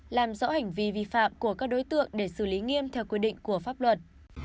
làm rõ hành vi vi phạm của các đối tượng để xử lý nghiêm theo quy định của pháp luật